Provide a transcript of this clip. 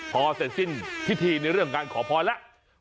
พอเสร็จสิ้นพิธีในเรื่องการขอพรแล้ว